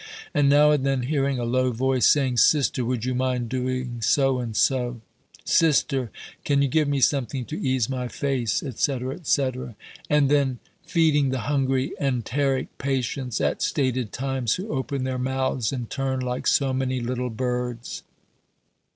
and now and then hearing a low voice saying, 'Sister, would you mind doing so and so,' 'Sister, can you give me something to ease my face,' etc., etc., and then feeding the hungry enteric patients at stated times who open their mouths in turn like so many little birds!"